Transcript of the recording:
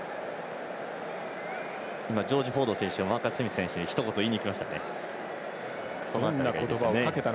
ジョージ・フォード選手がマーカス・スミス選手にひと言、言いにいきましたね。